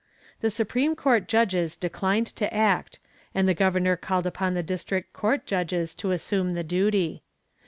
The supreme court judges declined to act, and the governor called upon the district court judges to assume the duty.